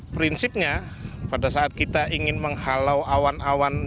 prinsipnya pada saat kita ingin menghalau awan awan